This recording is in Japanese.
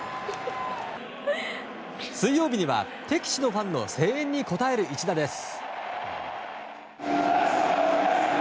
水曜日には敵地ファンの声援に応える一打です。